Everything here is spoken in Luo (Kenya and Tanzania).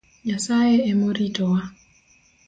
Nyasaye emoritowa.